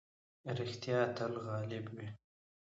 رښتيا تل غالب وي.